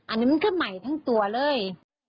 อันนี้มันก็ใหม่ทั้งตัวเลย